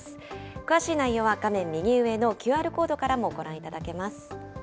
詳しい内容は画面右上のＱＲコードからもご覧いただけます。